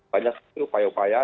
banyak sekali upaya upaya